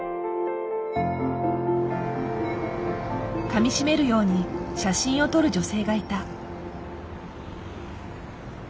かみしめるように写真を撮る女性がいた。